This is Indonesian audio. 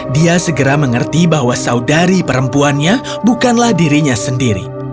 dia segera mengerti bahwa saudari perempuannya bukanlah dirinya sendiri